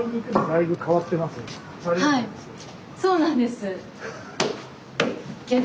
はいそうなんです。